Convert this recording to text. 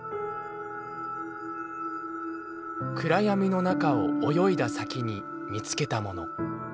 暗闇の中を泳いだ先に見つけたもの。